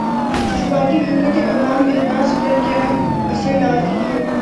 جذباتی حرکتیں عوام الناس پر کیا اثرڈالتی ہیں